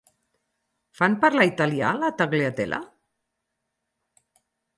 Fan parlar italià a la Tagliatella?